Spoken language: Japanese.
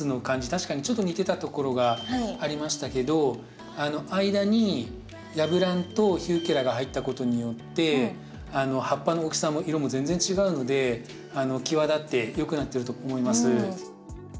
確かにちょっと似てたところがありましたけど間にヤブランとヒューケラが入ったことによって葉っぱの大きさも色も全然違うのできわだってよくなってると思います。